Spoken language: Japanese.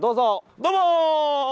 どうも！